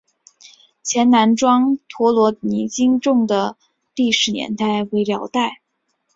前南庄陀罗尼经幢的历史年代为辽代。